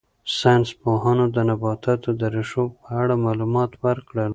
ساینس پوهانو د نباتاتو د ریښو په اړه معلومات ورکړل.